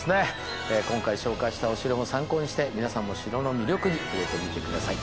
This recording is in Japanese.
今回紹介したお城も参考にして皆さんも城の魅力に触れてみて下さい。